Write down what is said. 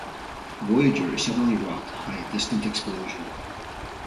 "Voyager" is suddenly rocked by a distant explosion.